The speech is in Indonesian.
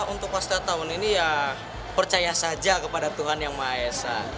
untuk pasta tahun ini ya percaya saja kepada tuhan yang maha esa